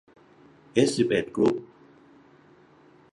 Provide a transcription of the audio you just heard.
เอสสิบเอ็ดกรุ๊ป